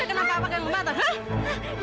kenapa apa yang bantar